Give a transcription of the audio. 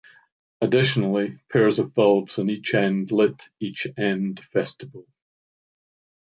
Additionally, pairs of bulbs on each end lit each end vestibule.